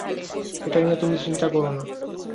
এটা নিয়ে তুমি চিন্তা করো না।